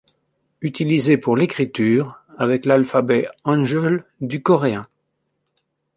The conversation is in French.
Utilisés pour l’écriture avec l’alphabet hangeul du coréen.